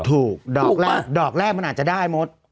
ถูกดอกแรกมันอาจจะได้หมด